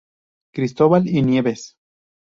Cristobal y Nieves.